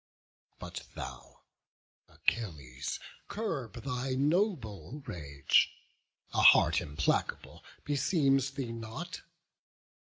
But thou, Achilles, curb thy noble rage; A heart implacable beseems thee not.